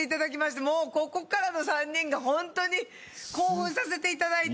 ここからの３人がホントに興奮させていただいて。